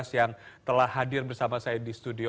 yang telah hadir bersama saya di studio